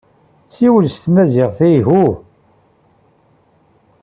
Ssiwel s tmaziɣt, ayhuh.